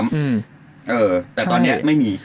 แต่ตอนนี้ไม่มี